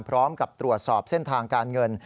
พร้อมกับตรวจสอบเส้นทางการเงิน